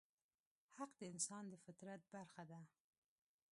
حق د انسان د فطرت برخه ده.